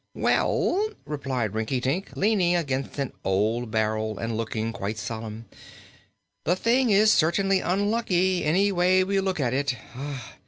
"Well," replied Rinkitink, leaning against an old barrel and looking quite solemn, "the thing is certainly unlucky, any way we look at it.